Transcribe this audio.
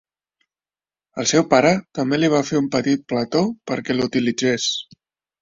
El seu pare també li va fer un petit plató perquè l'utilitzés.